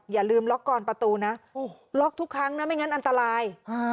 อย่าลืมล็อกกอนประตูนะล็อกทุกครั้งนะไม่งั้นอันตราย